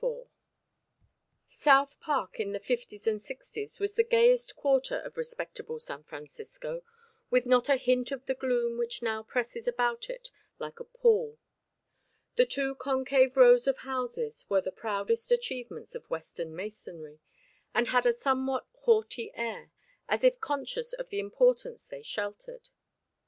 IV South Park in the Fifties and Sixties was the gayest quarter of respectable San Francisco, with not a hint of the gloom which now presses about it like a pall. The two concave rows of houses were the proudest achievements of Western masonry, and had a somewhat haughty air, as if conscious of the importance they sheltered.